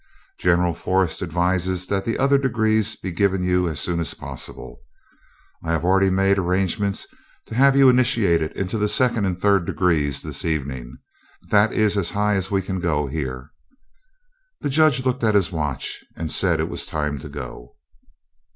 General Forrest advises that the other degrees be given you as soon as possible. I have already made arrangements to have you initiated into the second and third degrees this evening. That is as high as we can go here." The Judge here looked at his watch, and said it was time to go.